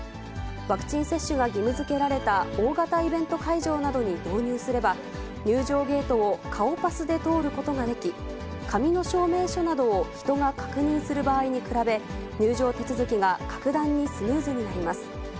ワクチン接種が義務づけられた大型イベント会場などに導入すれば、入場ゲートを顔パスで通ることができ、紙の証明書などを人が確認する場合に比べ、入場手続きが格段にスムーズになります。